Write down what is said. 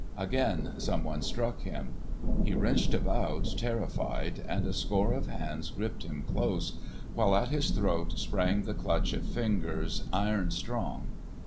Again some one struck him. He wrenched about terrified, and a score of hands gripped him close, while at his throat sprang the clutch of fingers iron strong.